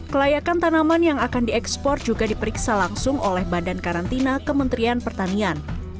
kelayakan tanaman yang akan diekspor juga diperiksa langsung oleh badan karantina kementerian pertanian